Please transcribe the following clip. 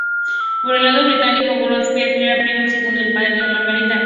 Por el lado británico, Gottfried era primo segundo de la madre de Margarita.